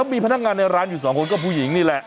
มีพนักงานในร้านอยู่สองคนก็ผู้หญิงนี่แหละ